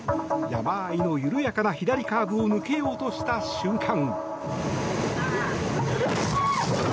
山あいの緩やかな左カーブを抜けようとした瞬間。